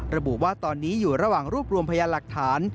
ระบุว่าตอนนี้อยู่ระหว่างรวบรวมพยานหลักฐาน